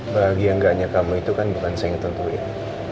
bahagia gak hanya kamu itu kan bukan saya yang tentuin